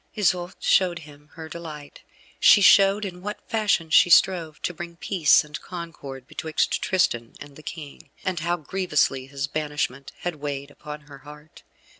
Isoude showed him her delight. She showed in what fashion she strove to bring peace and concord betwixt Tristan and the King, and how grievously his banishment had weighed upon her heart.